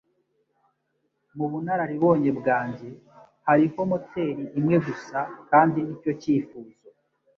Mubunararibonye bwanjye, hariho moteri imwe gusa, kandi nicyo cyifuzo.